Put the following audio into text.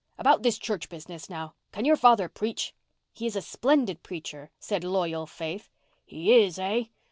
About this church business, now—can your father preach?" "He is a splendid preacher," said loyal Faith. "He is, hey?